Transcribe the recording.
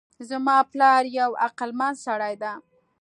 زما پلار یو عقلمند سړی ده